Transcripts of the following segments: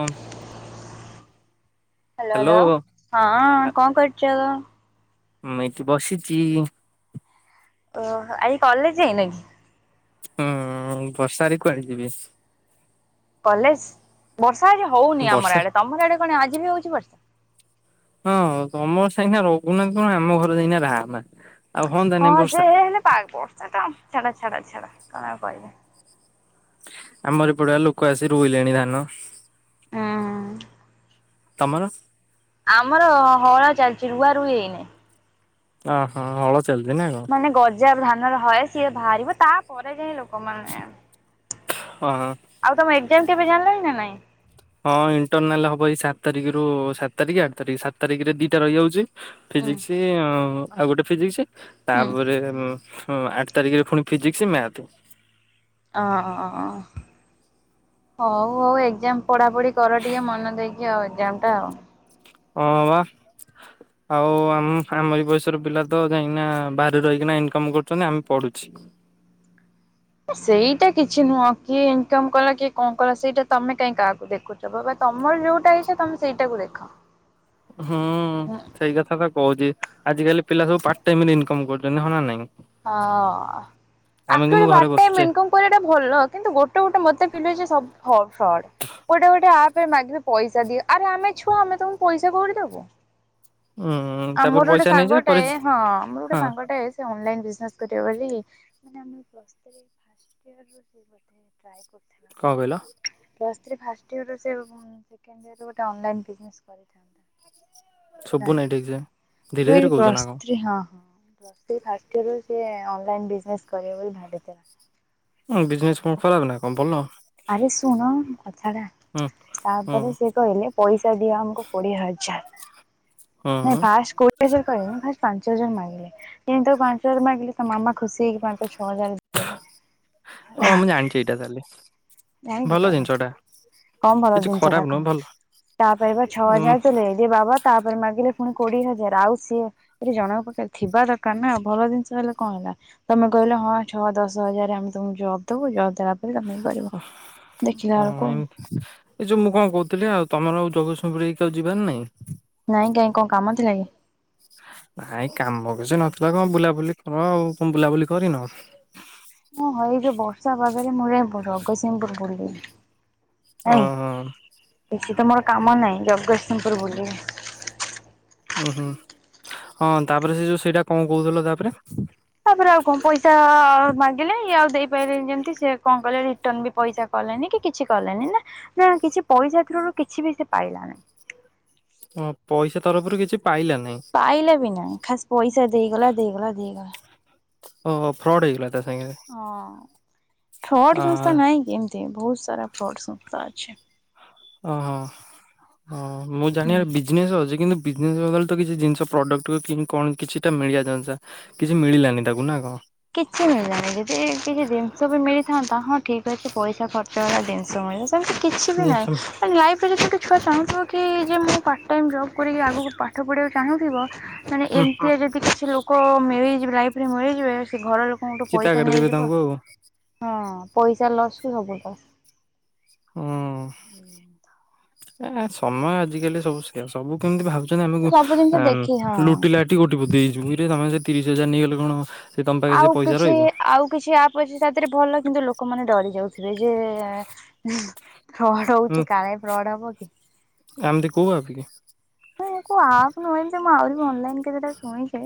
ଅଁ। Hello hello hello ହଁଅଁ କଁ କରୁଚ। ମୁଁ ଏଇଠି ବସିଚି। ଓହ ଆଇ କଲେଜ ଯାଇନ କି? ହୁଁ ବର୍ଷାରେ କୁଆଡେ ଯିବି? କଲେଜ ବର୍ଷା ଆଜି ହଉନି ବର୍ଷା ଆମର ଆଡେ। ତମର ଆଡେ କଣ ଆଜି ବି ହଉଚି ବର୍ଷା? ହଁ ଅଁ ତମର ସାହିନା ରଘୁନାଥ ଆମ ଘରେ ଯାଇନା ରାମା। ହଁ ଯେ ହେଲେ ପାଗ୍ ବର୍ଷାଟା ଛାଡା ଛାଡ ଛାଡ କଣ ଆଉ କହିବି? ଆମର ଏପଡେ ବା ଲୋକ ଆସି ରୁଇଲେଣି ଧାନ। ହୁଁ ତମର? ଆମର ହଳା ଚାଲ୍‌ଚି ରୁଆ ରୁଇ ହେଇନେଇ। ଅହ ହଳ ଚାଲ୍ ଚି ନା କଁ? ମାନେ ଗଜା ଧାନର ହଏ ସିଏ ଦ୍ ଭାରିବ ତାପରେ ଯାଇ ଲୋକମାନେ ହଁ ହଁ। ଆଉ ତମ ଏଗ୍ ଜାମ କେବେ ଜାଣ୍ ଲଇଁ ନା ନାଇଁ? ହଁ ଇଣ୍ଟରନାଲ ହବ ଏଇ ସାତ ତାରିଖରୁ ସାତ ତାରିଖ ଆଠ ତାରିଖ ସାତ ତାରିଖରେ ଦିଟା ରହିଯାଉଚି। ଉଁ ଫିଜିକ୍ସି ଅଁ ଆଉ ଗୋଟେ ଫିଜିକ୍ସି ହୁଁ ତାପରେ ଉଁ ହୁଁ ଆଠ ତାରିଖେରେ ଫୁଣି ଫିଜିକ୍ସି ମ୍ୟାଥେ। ଅଁ। ହଉ ହଉ ଏଗଜାମ ପଢାପଢି କର ଟିକେ ମନ ଦେଇକି ଆଉ ଏଗଜାମ ଟା ଆଉ। ଅଁ ବା। ଆଉ ଆମ୍ ଆମରି ବୟସର ପିଲା ତ ଯାଇଁକିନା ବାହାରେ ରହିକିନା ଇନକମ୍ କରୁଛନ୍ତି ଆମେ ପଢୁଛି। ଓ ସେଇଟା କିଛି ନୁହଁ କିଏ ଇନକମ୍ କଲା କିଏ କଁ କଲା ସେଇଟା ତମେ କାହିଁ କାହାକୁ ଦେଖୁ ରେ ବାବା ତମର ଯୋଉଟା ଇଚ୍ଛା ତମେ ସେଇଟାକୁ ଦେଖ। ହୁଁ ହଁ ସେଇ କଥା ତ କହୁଚି। ଆଜିିକାଲି ପିଲା ସବୁ ପାର୍ଟ ଟାଇମରେ ଇନକମ କରୁଚନ୍ତି ହଁ ନା ନାଇଁ। ହଁ ଆମେ କିନ୍ତୁ ଆକିଡି ଘରେ ବାଟ ଟାଇମ୍ ବସୁଛେ। ଇନକମ କରିବାଟା ଭଲ କିନ୍ତୁ ଗୋଟେ ଗୋଟେ ମତେ ଫିଲ ହଉଚି ସବୁ ଫଡ ଫଡ ଗୋଟେ ଗୋଟେ ଆପ୍ ରେ ମାଗିବେ ପଇସା ଦିଅ। ଆରେ ଆମେ ଛୁଆ ଆମେ ତମକୁ ପଇସା କଉଠୁ ଦବୁ। ଉଁ ହୁଁ। ଆମର ଗୋଟେ ସାଙ୍ଗଟାଏ ହଁ ଆମର ଗୋଟେ ହଁ ସାଙ୍ଗଟେ ସେ ଅଲ ଲାଇନ ବିଜିନେସ କରିବ ବୋଲି [unintelligible] କଣ କହିଲ? ପ୍ଲସ ଥ୍ରୀ ଫାଷ୍ଟ ଇୟର ରେ ସିଏ ସେଖେଣ୍ଡିୟରରେ ଗୋଟେ ଅଲ ଲାଇନ୍ ବିଯିନେସ କରିଥାନ୍ତା। ହେଲା ଶୁବୁ ନାଇଁ ଠିକସେ। ମୁଁ କଇଲି ପ୍ଲସ ଥ୍ରି ହଁ। Plus three first year online business କରିବ ବୋଲି ଭାବିଥିଲା। ଉଁ ବିଜନେସ କଣ ଖରାପ ନା କଣ ଭଲ। ଆରେ ଶୁଣ କଥା ଟା ହୁଁ ହୁଁ। ତାପରେ ସେ କଖିଲେ ପଇସା ଦିଅ ଆମକୁ କୋଡିଏ ହଜାର। ହୁଁ ନାଇଁ ଫାଷ୍ଟ କହୁ ହଜାର କି ଫା ପାଞ୍ଚ ହଜାର ମାଗିଲେ ଯେନ୍ତି ପାଞ୍ଚ ହଜାର ମାଗିଲେ ତା ମାମା ଖୁସି ହେଇକ ପାଞ୍ଚ ଛ ହଜାର ଦେଲେ ଓ ମୁଁ ଜାଣିଛି ଏଇଟା ତାହଲେ। ଜାଣିଚ ତାହେଲେ କଣ ବାବା କିଛି ଜିନିଷ ଖରାପ ଟା ନୁହଁ ଭଲ। କଣ ତାପରେ ପା ଛଅ ଉଁ ହଜାର ଦେଲେ। ଜେ ବାବା ତାପରେ ମାଗିଲେ ପୁଣି କୋଡିଏ ହଜାର ଆଉ ସିଏ କହିଲି ଜଣଙ୍କ ପାଖରେ ଥିବା ଦରକାର ନା ଭଲ ଜିନିଷ ହେଲେ କଣ ହେଲା। ତମେ କହିଲେ ହଁ ଛଅ ଦଶ ହଜାର ଆମେ ତମକୁ ଜବ ଦବୁ ଜବ ଦେଲା ପରେ ତମେ କରିବ ଦେଖିଲା ଏଳକୁ ଏ ଯୋଉ ମୁଁ କଣ କହୁଥିଲି ଆଉ ତମର ଜତନ୍ସିଂପୂର୍କୁ ଆଉ ଯିବାର ନାଇଁ? ନାଇଁ କାଇଁ କଣ କାମ ଥିଲା କି? ନାଇଁ କାମ କିଛି ନଥିଲା କଣ ବୁଲାବୁଲି କର ଆଉକଣ ବୁଲାବୁଲି କରିନ? ହଁ ଏଇ ଯେ ବର୍ଷା ପାଗରେ ମୋର ଯାଇ ଜଗତସିଂହପୁର ବୁଲି। ଓ ହ। କିଛି ତ ମୋର କାମ ନାହିଁ ଜଗତସିଂହପୁର ବୁଲିବି। ଉଁ ହୁଁ ହଁ ତାପରେ ସେ ଯୋଉ ସେଇଟା କଣ କହୁଥିଲ ତାପରେ? ତାପରେ ଆଉ କଣ ପଇସା ମାଗିଲେ ଇଏ ଆଉ ଦେଇପାରିଲେନି ଯେମିତି ସିଏ କଣ କଲେ ରିଟର୍ନ ବି ପଇସା କଲାନି କି କିଛି କଲାନି ନା ନା କିଛି ପଇସା ଥ୍ରୁରୁ କିଛି ବି ସେ ପାଇଲାନି। ଓ ପଇସା ତରଫରୁ କିଛି ପାଇଲା ନାଇଁ। ପାଇଲା ବି ନାଇଁ ଖାସ ପଇସା ଦେଇଗଲା ଦେଇଗଲା ଦେଇଗଲା। ଓ ହ ଫ୍ରଡ଼ ହେଇଗଲା ତା ସାଙ୍ଗେରେ। ହଁ ଫ୍ରଡ଼୍ ସଂସ୍ଥା ନାହିଁ କି ଏମିତି ବହୁତ ସାରା ଫ୍ରଡ଼୍ ସଂସ୍ଥା ଅଛି। ଓହୋ ହଁ ମୁଁ ହୁଁ। ଜାଣିବାରେ ବିଜନେସ୍ ଅଛି କିନ୍ତୁ ବିଜନେସ୍ ବଦଳେ ତ କିଛି ଜିନିଷ ପ୍ରଡକ୍ଟ କି କଣ କିଛିଟା ମିଳିବା ଜନିଷ। କିଛି ମିଳିଲାନି ତାକୁ ନା କଣ? କିଛି ମିଳିଲାଣିି ଯଦି ଟିକେ ଜିନିଷ ବି ମିଳିଥାନ୍ତା ହଁ ଠିକ ଅଛି ପଇସା ଖର୍ଚ୍ଚ ହେଲା ଜିନିଷ ମିଳୀ ସେମିତି କିଛି ବି ଜିନିଷ ନାହିଁ। ଲାଇଫ୍ରେ ଯଦି ଗୋଟେ ଛୁଆ ଚାହୁଁଥିବ କି ଯେ ମୁଁ ପାର୍ଟ ଟାଇମ୍ ଜବ୍ କରିକି ଆଗକୁ ପାଠ ପଢ଼ିବାକୁ ଚାହୁଁଥିବ ମାନେ ହୁଁ ଏମିତିରେ ଯଦି କିଛି ଲୋକ ମିଲିଯିବେ ଲାଇଫରେ ମିଳିଯିବେ ସେ ଘର ଲୋ ତମଠୁ ଚିତା ପଇସା କାଟିଦେବେ ନେଇଯିବ ତାଙ୍କୁ ଆଉ। ହଁ ପଇସା ଲସ୍ କୁ ସବୁ ଲସ୍। ହୁଁ ଏ ସମୟ ଆଜିକାଲି ସବୁ ସବୁ କେମିତି ଭାବୁଛନ୍ତି ଆମକୁ ତ ସବୁ ଜିନିଷ କେମ ଦେଖି ହଁ ଲୁଟି ଲାଟି ତୁ କୋଟିପତି ହେଇଯିବୁ। ଆମେ ସେ ତିରିଶ ହଜାର ନେଇଗଲେ କଣ ସେ ତମ ପାଖେ ସେ ଆଉ ପଇସା କିଛି ରହିବ ଆଉ କିଛି ଆ ପ ଅଛି ଜଉଟା ଭଲ, କିନ୍ତୁ ଲୋକମାନେ ଡରି ଯାଉଥିବେ ଯେ ଫ୍ରଡ ହଉଚି। କାଳେ ଫ୍ରଡ ହବ କି। ଆଉଗୋଟେ କଉ ଆପ କି? କୋଉ ଆପ ନୁହେ ଯେ ମୁଁ ଆହୁରି ବି ଅନଲାଇନ୍ କେତେଟା ଶୁଣିଛି।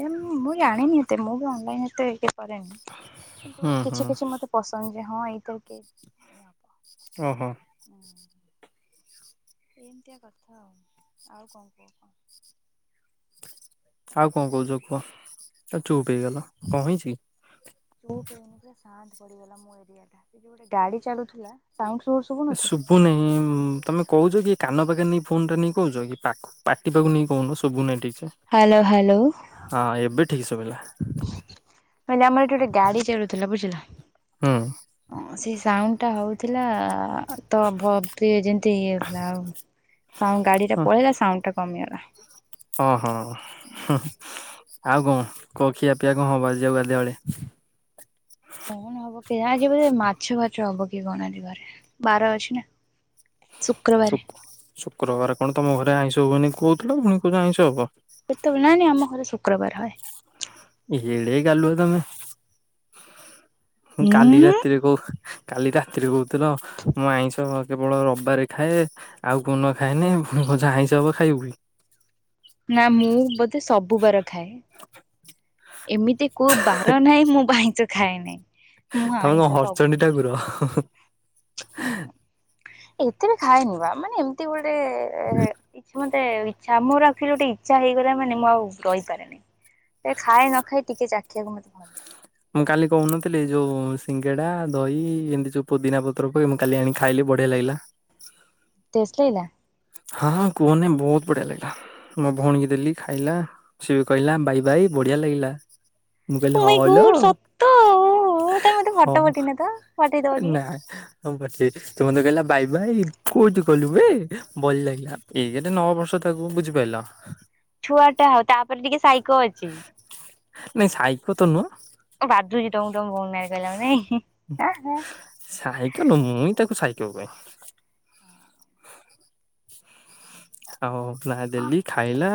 ମୁଁ ଜାଣିନି ଏତେ, ମୁଁ ବି ଅନଲାଇନ ଏତେ କରେନି, ହୁଁ କିନ୍ତୁ ହୁଁ କିଛି କିଛି ମତେ ପସନ୍ଦ ଯେ ହଁ ଏଇ ତ ଓହୋ। ଏମିତିଆ କଥା ଆଉ। ଆଉ କଣ କୁହ କଣ? ଆଉ କଣ କହୁଚ କୁହ? ଆଉ ଚୁପ୍ ହେଇଗଲ, କଣ ହେଇଛି କି? ଚୁପ୍ ହେଇନି ବେ ଶାନ୍ତ ପଡିଗଲା ମୋ ଏରିଆ ଟା। ଏଇ ଯଉ ଗୋଟେ ଗାଡି ଚାଲୁଥିଲା ସାଉଣ୍ଡ ସ୍ଲୋ ଶୁଭୁ ଶୁଭୁ ନାହିଁ। ତମେ କହୁଛ କି କାନ ପାଖରେ ନେଇ ଫୋନ ଟା ନେଇ କହୁଛ କି? ପାଖ ପାଟି ପାଖକୁ ନେଇ କହୁନ ସବୁ ନାହିଁ ଠିକସେ। Hello, hello. ହଁ, ଏବେ ଠିକ ଶୁଭିଲା। ମୁଁ କହିଲି ଆମର ଏଠି ଗୋଟେ ଗାଡି ଚାଲୁଥିଲା, ବୁଝିଲ? ହୁଁ ହଁ, ସେ ସାଉଣ୍ଡ ଟା ହଉଥିଲା ତ ଯେମତି ଇଏ ହେଥିଲା ଆଉଣ୍ଡ ଗାଡି ଟା ପଳେଇଲା ସାଉଣ୍ଡ ଟା କମିଗଲା। [unintelligible] ଓହୋ। ଆଉ କଣ, କଣ ଖିଆ ପିଆ କଣ ହବ ଆଜି ଗାଧୁଆ ବେଳେ? କଣ ହବ କେଜାଣି? ଆଜି ବୋଧେ ମାଛ ଫାଛ ହବ କି କଣ ଆଜି କି ଘରେ। ବାର ଅଛି ନା? ଶୁକ୍ରବାରେ ଶୁ-ଶୁକ୍ରବାର କଣ ତମ ଘରେ ଆଇଁଷ ହୁଏନି କହୁଥିଲ। ପୁଣି କହୁଛ ଆଇଁଷ ହବ। କେତେବେଳେ, ନାଇଁ ନାଇଁ ଆମ ଘରେ ଶୁକ୍ରବାର ହୁଏ। ଏଡେ ଗାଲୁଆ ତମେ। କାଲି ଉଁ ରାତିରେ କହୁ କାଲି ରାତିରେ କହୁଥିଲ, ମୁ ଆଇଁଷ କେବଳ ରବିବାରେ ଖାଏ। ଆଉ କୋଉଦିନ ଖାଏନି। ପୁଣି କହୁଛ ଆଇଁଷ ହବ ଖାଇବି। ନା, ମୁଁ ବୋଧେ ସବୁ ବାର ଖାଏ। ଏମିତି କୋଉ ବାର ନାହିଁ, ମୁଁ ବା ଆଇଁଷ ଖାଏନି। ତମେ କଣ ହରଚଣ୍ଡୀ ଠାକୁର? ଏତେ ବି ଖାଏନି ବା ମାନେ ଏମିତି ଗୋଟେ ଗୋଟେ ଇଚ୍ଛା, ମୋର ଆକଚୁଆଲି ଗୋଟେ ଇଚ୍ଛା ହେଇଗଲା ମାନେ ମୁଁ ଆଉ ରହିପାରେନି। ଏ ଖାଏ ନଖାଏ ଟିକେ ଚାଖିବାକୁ ମତେ ଭଲ ଲାଗେ। ମୁଁ କାଲି କହୁନଥିଲି ଯୋଉ ସିଙ୍ଗେଡ଼ା, ଦହି ଏମିତି ଯୋଉ ପୋଦିନା ପତ୍ରକୁ, ମୁଁ କାଲି ଆଣିି ଖାଇଲି ବଢିଆ ଲାଗିଲା। ଟେଷ୍ଟ ଲାଗିଲା? ହଁ -ହଁ, କୁହନି ବହୁତ ବଢ଼ିଆ ଲାଗିଲା। ମୋ ଭଉଣୀକୁ ଦେଲି ଖାଇଲା। ସିଏ କହିଲା ଭାଇ ଭାଇ ବଢିଆ ଲାଗିଲା। ମୁଁ ଓ କହିଲି ମାଇଁ ହଁ, ଲୋ। ଗଡ୍ ସତ ତମେ ମତେ ହଁ, ଫଟୋ ପଠେଇନ ତ ପଠେଇଦବ ଟିକେ। ନା। [unintelligible] ସେ ମତେ କହିଲା ବାଇ ବାଇ କୋଉଠି କଲୁ ବେ। ଭଲ ଲାଗିଲା। ଏଇ କେତେ ନଅ ବର୍ଷ ତାକୁ, ବୁଝିପାରିଲ? ଛୁଆ ଟା ଆଉ ତାପରେ ଟିକେ ସାଇକୋ ଅଛି। ନାଇଁ, ସାଇକୋ ତ ନୁହ। ତମ ବାଧୁଚି ତମକୁ ତମ ଭଉଣୀ ନା ରେ କହିଲାଖୁଣି, ନାଇଁ? ସାଇକ ନୁହ ମୁଇ ତାକୁ ସାଇକ କୁହେ। [unintelligible] ଆଉ ଯାହା ଦେଲି, ଖାଇଲା।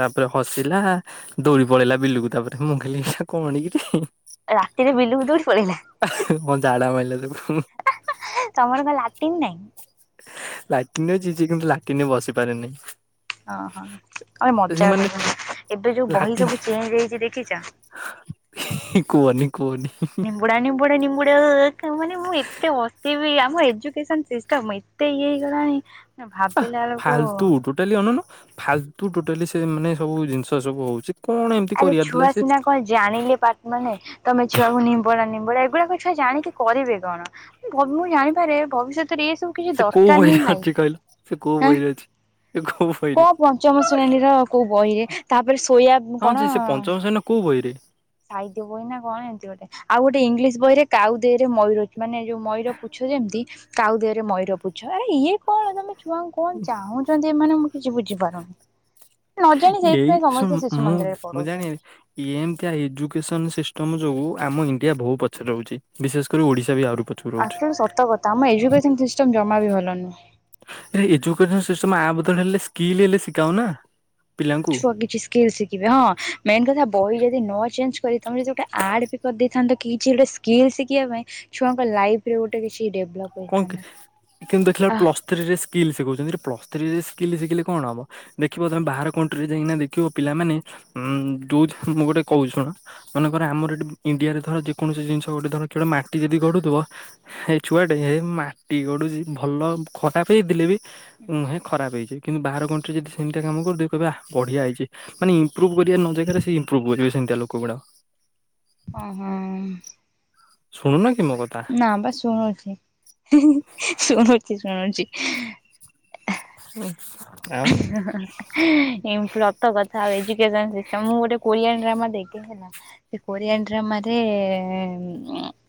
ତାପରେ ହସିଲା ଦୈାଡି ପଳେଲା ବିଲୁକୁ ତାପରେ ମୁ କହିଲି ଏଇଟା କ'ଣ କିରେ। ରାତିରେ ବିଲୁକୁ ଦୌଡିି ପଳେଇଲା। ଆହୁ ଝାଡା ମାଇଲା ତାକୁ ଖୁ। ତମର କଣ ଲାଟିନ୍ ନାଇଁ? ଲାଟିନ୍ ଅଛି ସେ କିନ୍ତୁ ଲାଟିନ ବସି ପାରେନି। ଓହୋ ମଜା ସେମାନେ [unintelligible] ଏବେ ଯୋଉ ବହି ଲାଟିନ ସବୁ ଚେଞ୍ଜ ହେଇଚି ଦେଖିଚ? କୁହନି କୁହନି। ନେମ୍ବୁଡା ନିମ୍ବୁଡା ନିମ୍ବୁଡା କାମାନେ ମୁଁ ଏତେ ହସିବି ଆମ ଏଜୁକେସନ ସିଷ୍ଟମ୍ [unintelligible] ଏତେ ଇଏ ହେଇଗଲାଣି ଭାବିଲା ବେଳକୁ [unintelligible] ଅନଉନୁ ଫାଲତୁ ଟୋଟାଲି ସେ ମାନେ ସବୁ ଜିନିଷ ସବୁ ହଉଚି କଣ ଏମତି ଆରେ କରିବାର ଥିଲା ଛୁଆ ସେ ସିନା କଣ ଜାଣିଲେ ପା ମାନେ ତମେ ଛୁଆକୁ ନିମ୍ବଡା ନିମ୍ବଡା ଏଗୁଡାକ ଛୁଆ ଜାଣିକି କରିବେ କଣ? ଭ ମୁଁ ଜାଣିପାରେ ଭବିଷ୍ୟତ ସେ କୋଉ ବହିରେ ଅଛି କହିଲ ସେ କୋଉ ବହିରେ ଅଛି ସେ କୋଉ ବହିରେ କୋଉ ପଞ୍ଚମ ଶ୍ରେଣୀର କୋଉ ବହିରେ ତାପରେ ସୋୟା ହଁ ଯେ କଣ [unintelligible] କୋଉ ବହିରେ? ସାହିତ୍ୟ ବହି ନା କଣ ଏମିତିଗୋଟେ। ଆଉ ଗୋଟେ ଇଂଲିଶ ବହିରେ କାଉ ଦେହରେ ମୟୂର ମାନେ ଯୋଉ ମୟୂର ପୁଛ ଯେମିତି କାଉ ଦେହରେ ମୟୂର ପୂଛ ଆରେ ଇଏ କଣ ତମେ ଛୁଆଙ୍କୁ କଣ ଚାହୁଁଛନ୍ତି ଏମାନେ ମୁଁ କିଛି ବୁଝିପାରୁନି। ନ ଜାଣି ଏଇ ସେଇଥିପାଇଁ ସମସ୍ତେ ଶିଶୁ ମନ୍ଦିରରେ ପଢଉଛନ୍ତି। ଏମତିଆ ଏଜୁକେସନ ସିଷ୍ଟମ ଯୋଗୁ ଆମ ଇଣ୍ଡିଆ ବହୁ ପଛରେ ରହୁଛି ବିଶେଷ କରି ଓଡିଶା ବି ଆହୁରି ପ ଆକଚୁଆଲି ସତ କଥା ଆମ ଏଜୁକେସନ ସିଷ୍ଟମ ଜମା ବି ଭଲ ନୁହଁ। ଏଜୁକେସନ୍ ସିଷ୍ଟମ୍ ଆ ବଦଳରେ ହେଲେ ସ୍କିଲ୍ ହେଲେ ଶିଖାଅନା। ଛୁଆ କିଛି ସ୍କିଲ ଶିଖିବେ ହଁ ମେନ୍ କଥା ବହି ଯଦି ନ ଚେଞ୍ଜ କରି ତମେ ଯଦି ଯଉଟା ଆଡ୍ ବି କରିଦେଇଥାନ୍ତ କିଚିଡ଼େସ୍ ସ୍କିଲ୍ ଶିଖିବା ପାଇଁ ଛୁଆଙ୍କ ଲାଇଫ୍ ରେ ଗୋଟେ କିଛି ଡେଭଲପ କଣ କି କିନ୍ତୁ ଦେଖିଲା ବେଳେକୁ ପ୍ଲସ୍ ଥ୍ରୀରେ ସ୍କିଲ୍ ଶିଖଉଛନ୍ତି ପ୍ଲସ୍ ଥ୍ରୀରେ ସ୍କିଲ୍ ଶିଖିଲେ କଣ ହବ। ଦେଖିବ ତମେ ବାହାର କଣ୍ଟ୍ରିରେ ଯାଇକିନା ଦେଖିବ ପିଲାମାନେଁ ଯୋଉ ମୁଁ ଗୋଟେ କହୁଚି ଶୁଣ ମନେକର ଆମର ଏଠି ଇଣ୍ଡିଆରେ ଧର ଯେକୌଣସି ଜିନିଷ ଗୋଟେ ଧର ଖେଳ ମାଟି ଯଦି ଗଡ଼ୁଥିବ ଏ ଛୁଆ ଏହେ ମାଟି ଗଢୁଚି ଭଲ ଖରାପ ହେଇଥିଲେ ବି ହୁଁ। ମୁହେଁ ଖରାପ ହେଇଚି। କିନ୍ତୁ ବାହାର କନ୍ଟ୍ରି ରେ ଯଦି ସେମିତି କାମ କରିଦେବେ କହିବେ ଆଃ ବଢିଆ ହେଇଛି ମାନେ ଇ ମ୍ପ୍ରୁ ଭ୍ କରିବା ନ ଜାଗାରେ ସେ ଏମ୍ପ୍ରୁଭ୍ କରିବେ। ଏମିତିଆ ଲୋକ ଗୁଡ଼ାକ। ଓହୋ ଉମ୍ ଶୁଣୁନକି ମୋ କଥା? ନା ବା ଶୁଣୁଚି ହୁ ହୁ ଶୁଣୁଚି ଶୁଣୁଚି। ହ ଆଉ ହେ ଇନପ୍ଲତ କଥାହୋଇଚି କେଜାଣି ସେସମ୍ ମୁଁ ଗୋଟେ କୋରିଆନ୍ ଡ୍ରାମା ଦେଖେ ହେଲା। ସେ କୋରିଆନ୍ ଡ୍ରାମାରେ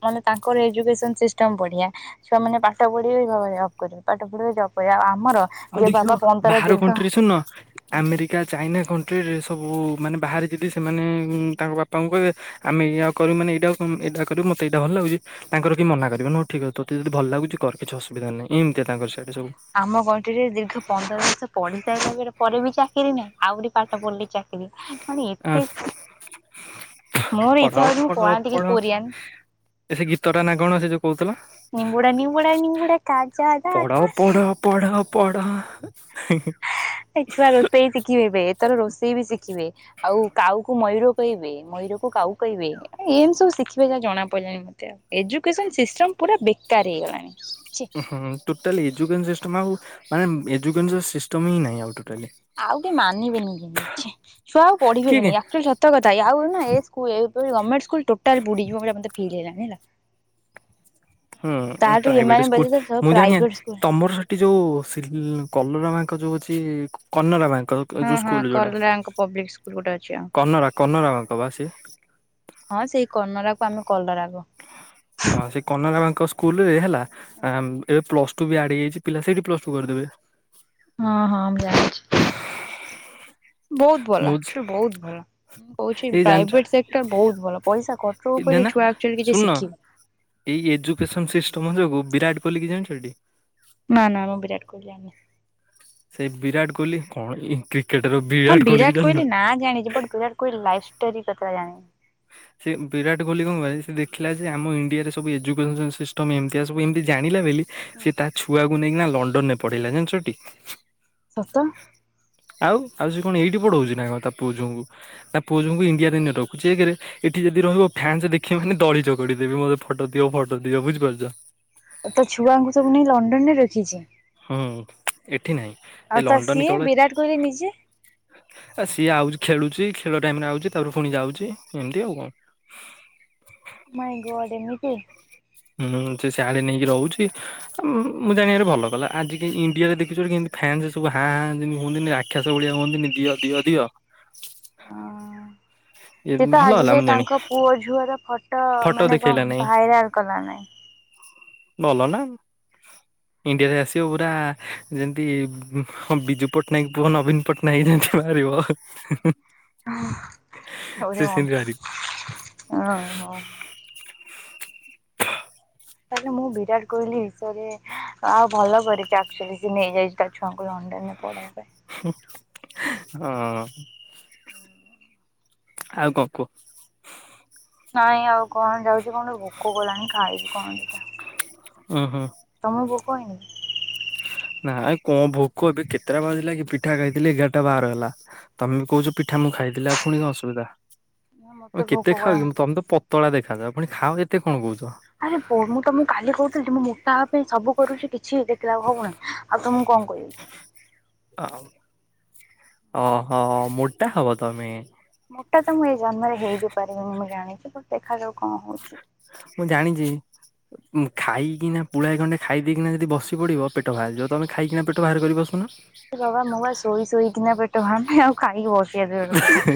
ମାନେ ତାଙ୍କର ଏଜୁକେସନ୍ ସିଷ୍ଟମ ବଢ଼ିଆ। ଛୁଆ ମାନେ ପାଠ ପଢିବେ ଜବ୍ କରିବେ ପାଠ ପଢିବେ ଜବ୍ କରିବେ ଆଉ ଆମର ଇଏ ବାବା ପନ୍ଦର ଦିନ ଟ୍ରିଶୁନ ଆମେରିକା, ଚାଇନା କଣ୍ଟ୍ରିରେ ଏ ସବୁ ମାନେ ବାହାରେ ଯିଦି ସେମାନେ ତାଙ୍କ ବାପାଙ୍କୁ କହିବେ ଆମେ ଏଇଆ କରୁବୁ ମାନେ ଏଇଟା ଏଇଟା କରିବୁ ମତେ ଏଇଟା ଭଲ ଲାଗୁଚି ତାଙ୍କର କିଏ ମନା କରିବେନି ହଉ ଠିକ୍ ତୋତେ ଯଦି ଭଲଲାଗୁଚି କର କିଛି ଅସୁବିଧା ନାଁଇ ଏମିତିଆ ତାଙ୍କର ସିଆଡେ ସବୁ। ଆମ କଣ୍ଟ୍ରି ରେ ଦୀର୍ଘ ପନ୍ଦର ବର୍ଷ ପଢି ସାରିଲା ପରେ ବି ଚାକିରି ନାହିଁ ଆହୁରି ପାଠ ପଢ଼ିଲେ ଚାକି କିରି ମାନେ ଆ ଏତେ ମୋର ଇଚ୍ଛା ପଢାଅ ହଉଚି ମୁଁ ପଳାନ୍ତିକି କୋରିଆନ। ଏ ସେ ଗୀତଟାନା କଣ ସେଯୋଉ କହୁଥିଲା? ନିମ୍ବୁଡ଼ା ନିମ୍ବୁଡା ନିମ୍ୱୁଡ଼ା କାଚା କାଚା ହେ ପଢ଼ ପଢ଼ ହେଁ, ହେଁ [unintelligible] ଛୁଆ ରୋଷେଇ ଶିଖିବେ ଏବେ ଏଥର ରୋଷେଇ ବି ଶିଖିବେ। ଆଉ କାଉକୁ ମୟୂର କହିବେ, ମୟୂର କୁ କାଉ କହିବେ। ଏମ୍ ତି ସବୁ ଶିଖିବେ ଯା ଜଣା ପଡ଼ିଲାଣି ମତେ ଏଜୁକେସନ୍ ସିଷ୍ଟମ ପୁରା ବେକାର ହେଇଗଲାଣି ଛି। ହଁ, ଟୋଟାଲି ଏଜୁକେସନ୍ ସିଷ୍ଟମ୍ ଆଉ ମାନେ ଏଜୁକେସନ୍ ସିଷ୍ଟମ୍ ହିଁ ନାହିଁ ଆଉ ଟୋଟାଲି। ଆଉ କି ମାନିବେନି କିଛି ଛୁଆ ଆଉ ପଢିବେ କିଏ ବି ନି ଆକଚୁଆଲି ସ - ସତକଥା ଆଉ ଏନା ଏସ୍କୁଲ୍ ଏପରି ଗମେଣ୍ତେ ସ୍କୁଲ୍ ଟୋଟାଲି ବୁଡ଼ିଯିବ ବୋଲି ମତେ ଫିଲ୍ ହେଲାଣି ହେଲା। ହୁଁ ତାଠୁ ପ୍ରାଇଭେଟ୍ ଏମାନେ ସ୍କୁଲ୍ ବୋଧେ ସବୁ ମୁଁ ପ୍ରାଇଭେଟ ଜାଣିବାରେ ସ୍କୁଲ ତୁମର ସେ ଏଠି ଯୋଉ କଲରା ମାଙ୍କ ଯୋଉ ଅଛି କନରା ବାଙ୍କ [unintelligible] ହଁ ଯେଉଁ ହଁ ସ୍କୁଲ ଯେଉଁଟା କଲରାଙ୍କ ପବ୍ଲିକ ସ୍କୁଲ ଗୋଟେ ଅଛି ଆଉ। କନରା କନରା ବାଙ୍କ ବା ସେ ହଁ ସେଇ କର୍ନରାକୁ ଆମେ କଲରା କୋଉ। ହଁ ସେ କନରା ବାଙ୍କ ସ୍କୁଲରେ ହେଲା ଏବେ ପ୍ଲସ୍ ଟୁ ବି ଆଡ଼୍ ହେଇ ଯାଇଛି ପିଲା ସେଠି ପ୍ଲସ୍ ଟୁ କରିଦେବେ। ହଁ, ହଁ ମୁଁ ଜାଣିଚି। ବହୁତ୍ ଭଲ ମୁଁ ବହୁତ୍ ଭଲ ମୁଁ କହୁଛି ଏଇ ଜାଣିଛ ପ୍ରାଇଭେଟ୍ ସେକ୍ଟର ବହୁତ୍ ଭଲ ପଇସା କ ଉପରେ ଦେନା ଛୁଆ ଆକ୍ଚୁଲି କିଛି ଶୁଣୁନ ଶିଖିବେ [unintelligible] ଏଇ ଏଜୁକେସନ ସିଷ୍ଟମ ଯୋଗୁ ବିରାଟ କୋହଲିକି ଜାଣିଚଟି ନା ନା ମୁଁ ବିରାଟ କୋହେଲି ଜାଣିନି। ସେ ବିରାଟ୍ କୋହଲି କଣ ଏ କ୍ରି କ୍ରିକେଟ୍ ବି [unintelligible] ହଁ ବିରାଟ୍ କୋହଲି ନାଁ ଜାଣିଚି ବଟ୍ ବିରାଟ କୋହଲି ଲାଇ ଷ୍ଟୋରି କଥା ଜାଣିନି। ସେ ବିରାଟ କୋହଲି କଣ କହିବ ସେ ଦେଖିଲା ଯେ ଆମ ଇଣ୍ଡିଆରେ ସବୁ ଏଜୁକେସନ୍ ସିଷ୍ଟମ୍ ଏମିତିଆ ସବୁ ଏମିତି ଜାଣିଲା ବୋଲି ସେ ତା ଛୁଆକୁ ନେଇକିନା ଲଣ୍ଡନ ରେ ପଢିଲା ଜାଣିଚିଟି। ସତ। ଆଉ ଆଉ ସେ କଣ ଏଇଠି ପଢ଼ଉଛି ନା କଣ ତା ପୁଅ ଝଉଙ୍କୁ ତା ପୁଅ ଝଅଙ୍କୁ ଇଣ୍ଡିଆ ନେଇ ରଖଛି ଏକ୍ ରେ ଏଠି ଯଦି ରହିବ ଫ୍ୟାନ୍ସ ଦେଖିବେ ମାନେ ଦଳି ଚକଡ଼ି ଦେବେ ମତେ ଫଟୋ ଦଅ ଫଟୋ ଦିଅ ବୁଝିାରୁଚ। ତା ଛୁଆଙ୍କୁ ସବୁ ନେଇ ଲଣ୍ଡନ ରେ ରଖିଚି। ହୁଁ ଏଠି ନାହିଁ ଆଉ ଏ ତା ଲଣ୍ଡନ ସିଏ କେବଳ ବିରାଟ କୋହଲି ନିଜେ ଆ ସିଏ ଆଉଛି ଖେଳୁଛି ଖେଳ ଟାଇମ୍ ରେ ଆଉଛି ତାପରେ ପୁଣି ଯାଉଛି ଏମିତି ଆଉ କଣ। ମାଇଁ ଗଡ୍ ଏମିତି। ହୁଁ, ସେ ସିଆଡେ ନେଇକି ରହୁଛି। ଆ ମୁଁ ଜାଣିବାରେ ଭଲ କଲା ଆଜି କାଲି ଇଣ୍ଡିଆରେ ଦେଖିଛ କେମିତି ଫ୍ୟାନ୍ସ ସବୁ ହାଁ ହାଁ ଯେମିତି ହୁହନ୍ତି ନି ରା [unintelligible] ରାଖ୍ୟାସ ଭଳିଆ ହୁଅନ୍ତିନି ଦିଅ ଦିଅ ଦିଅ ଏ ସିଏଏ ତ ଭଲ ଆଜି ହେଲା ଯାଇ ମୁଁ ଜାଣି ତାଙ୍କ ପୁଅ ଝୁଅର ଫଟୋ ମାନେ ଦେଖେଇଲା ନାଇଁ ଭାଇରାଲ କଲା ନାହିଁ। ଭଲ ନା ଇଣ୍ଡିଆରେ ଆସିବ ପୁରା ଯେମିତି ହଁ ବିଜୁ ପଟ୍ଟନାୟକ୍ ପୁଅ ନବୀନ ପଟ୍ଟନାୟକ୍ ଜେମ୍ ତି ବାହାରିବ। ଓ ସେ ସେମିତି ମ ବାହାରିବ। ହଁ ହ। ତାହେଲେ ମୁଁ ବିରାଟ କୋହଲି ବିଷୟରେ ଆଉ ଭଲ କରିଛି ଆକ୍ଚୁଆଲି ସି ନେଇଯାଇଛି ତା ଛୁଆଙ୍କୁ ଲଣ୍ଡନରେ ପଢ଼େଇବା ପାଇଁ। ହୁଁ, ହଁ [unintelligible] ଆଉ କଣ କୁହ। ନାଇଁ ଆଉ କଣ ଯାଉଛି କଣ ଭୋକ ଗଲାଣି ଖାଇବି କଣ ଦିଟା ଉଁ ହୁଁ ତମକୁ ଭୋକ ହେଇନି? ନାଇଁ କଣ ଭୋକ ଏବେ କେତେଟା ବାଜିଲାକି କି ପିଠା ଖାଇଥିଲି ଏଗାରଟା ବାର ହେଲା। ତମେ କହୁଛ ପିଠା ମୁଁ ଖାଇିଥିଲି ଆଉ ପୁଣି କଣ ଅସୁବିଧା ନା ମତେ ହେଲା କେତେ ଭୋକ ଖାଅକି କଲାଣି। ତମେ ତ ପ ପତଳା ଦେଖାଯାଅ ପୁଣି ଖାଅ ଏତେ କଣ କହୁଛ। ଆରେ ମୁଁ ତମକୁ କାଲି କହୁଥିଲି ଟି ମୁଁ ମୋଟା ହବା ପାଇଁ ସବୁ କରୁଛି କିଛି ଦେଖିଲାକୁ ହଉନହିଁ ଆଉ ତମକୁ କଣ କହିବି। ଅ ଅ ହ ମୋଟା ହବ ତମେ। ମୋଟା ତ ମୁଁ ଏଇ ଜନ୍ମରେ ହେଇ ବିି ପାରିବିନି ମୁଁ ଜାଣିଛି ବଟ ଦେଖାଯାଉ କଣ ହଉଛି। ମୁଁ ଜାଣିଛି। ଖାଇକିନା ପୁଳା ଖଣ୍ଡେ ଖାଇ ଦେଇେଇକିନା ଯଦି ବସି ପଡିବ ପେଟ ବାହାରି ଯିବ ତମେ ଖାଇକିନା ପେଟ ବାହାର କରିବ। ବସୁନ। ବାବା ମୁଁ ବା ଶୋଇ ଶୋଇକିନା ପେଟ ଭାରୁନି ଆଉ ଖାଇକି ବସିବା ଦୁରର କଥା।